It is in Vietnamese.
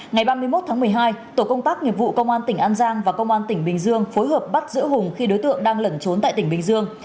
ngày ba mươi một tháng một mươi hai tổ công tác nghiệp vụ công an tỉnh an giang và công an tỉnh bình dương phối hợp bắt giữ hùng khi đối tượng đang lẩn trốn tại tỉnh bình dương